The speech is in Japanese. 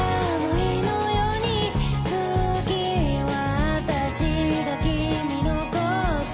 「次はあたしがきみのこと」